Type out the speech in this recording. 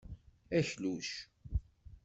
Akluc!